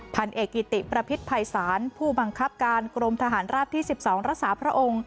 พันเอกกิติประพิษภัยศาลผู้บังคับการกรมทหารราบที่๑๒รักษาพระองค์